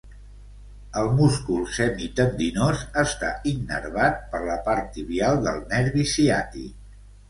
El múscul semitendinós està innervat per la part tibial del nervi ciàtic.